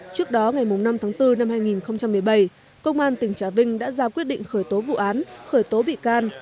trước đó ngày năm tháng bốn năm hai nghìn một mươi bảy công an tỉnh trà vinh đã ra quyết định khởi tố vụ án khởi tố bị can